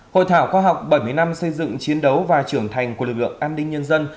hội thảo khoa học bảy mươi năm xây dựng chiến đấu và trưởng thành của lực lượng an ninh nhân dân